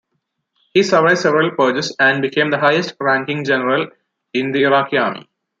He survived several purges and became the highest-ranking general in the Iraqi Army.